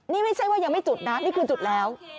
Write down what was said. นี่ไม่ใช่ว่ายังไม่จุดนะนี่คือจุดแล้ว